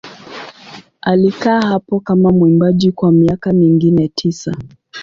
Alikaa hapo kama mwimbaji kwa miaka mingine tisa.